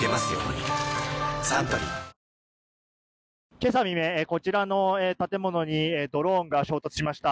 今朝未明、こちらの建物にドローンが衝突しました。